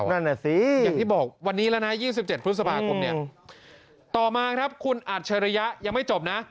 นั่นแหละสิอย่างที่บอกวันนี้แล้วนะ๒๗พฤษภาคมเนี่ยต่อมาครับคุณอัจฉริยะยังไม่จบนะ